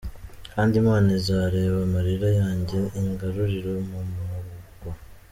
Kandi Imana izareba amarira yanjye ingarure mu murwa.